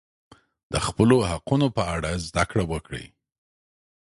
د خپلو حقونو په اړه زده کړه وکړئ.